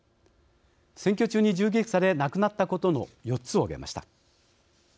選挙中に銃撃され亡くなったことの４つを挙げました。